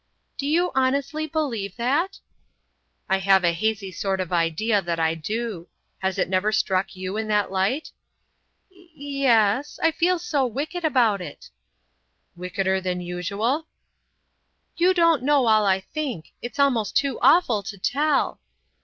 "Do you honestly believe that?" "I have a hazy sort of idea that I do. Has it never struck you in that light?" "Ye—es. I feel so wicked about it." "Wickeder than usual?" "You don't know all I think. It's almost too awful to tell."